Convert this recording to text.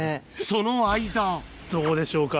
その間どうでしょうか。